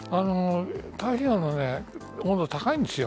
太平洋の温度、高いんです。